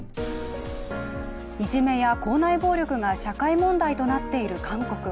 いじめや校内暴力などが社会問題となっている韓国。